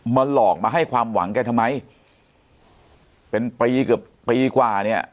หลอกมาให้ความหวังแกทำไมเป็นปีเกือบปีกว่าเนี่ย